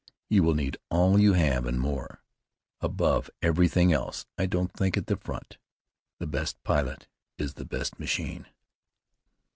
You will need all you have and more. Above everything else, don't think at the front. The best pilot is the best machine."